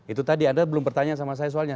itu tadi anda belum bertanya sama saya soalnya